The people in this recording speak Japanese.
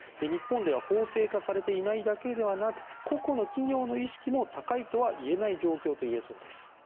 日本では法制化されていないだけではなく個々の企業の意識も高いとはいえない状況といえそうです。